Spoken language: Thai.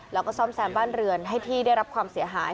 แล้วก็ซ่อมแซมบ้านเรือนให้ที่ได้รับความเสียหาย